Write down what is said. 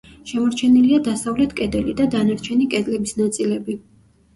შემორჩენილია დასავლეთ კედელი და დანარჩენი კედლების ნაწილები.